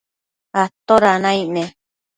¿atoda naic ne?